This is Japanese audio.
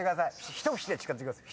一節で叱ってください。